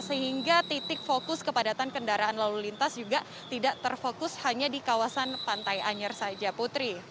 sehingga titik fokus kepadatan kendaraan lalu lintas juga tidak terfokus hanya di kawasan pantai anyer saja putri